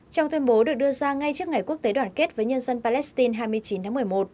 trong tuyên bố được đưa ra ngay trước ngày quốc tế đoàn kết với nhân dân palestine hai mươi chín tháng một mươi một